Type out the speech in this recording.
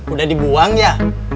udah dibuang ya